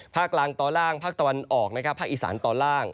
ภาคกลางตอนล่างภาคตอนออกภาคอีสานตอนล่าง